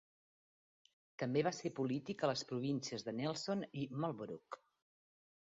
També va ser polític a les províncies de Nelson i Marlborough.